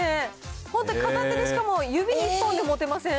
本当片手でしかも指１本で持てません？